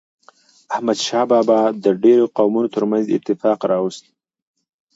احمد شاه بابا د ډیرو قومونو ترمنځ اتفاق راوست.